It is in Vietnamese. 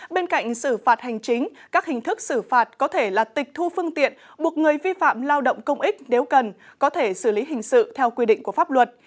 bên cạnh xử phạt hành chính các hình thức xử phạt có thể là tịch thu phương tiện buộc người vi phạm lao động công ích nếu cần có thể xử lý hình sự theo quy định của pháp luật